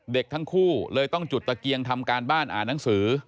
เด็กทั้งคู่เลยต้องจุดตะเกียงทำการบ้านอ่านหนังสือ